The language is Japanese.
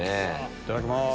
いただきます。